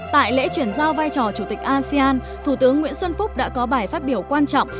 tại lễ chuyển giao vai trò chủ tịch asean thủ tướng nguyễn xuân phúc đã có bài phát biểu quan trọng